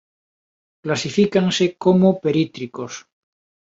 Clasifícanse como perítricos.